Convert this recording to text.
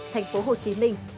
thành phố hồ chí minh